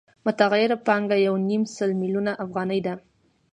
متغیره پانګه یو نیم سل میلیونه افغانۍ ده